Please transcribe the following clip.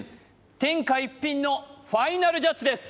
天下一品のファイナルジャッジです